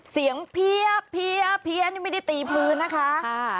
เสียงเพี้ยนี่ไม่ได้ตีพื้นนะคะ